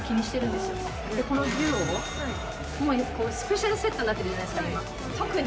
でこのＤＵＯもスペシャルセットになってるじゃないですか今特に。